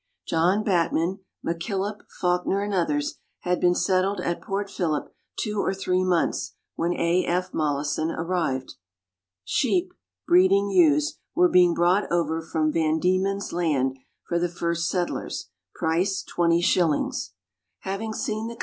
John Batman, McKillop, Fawkner, and others, had been settled at Port Phillip two or three months when A. F. Mollison arrived. Sheep (breeding ewes) were being brought over from Van Diemen's Land for the first settlers price 20s. Having seen the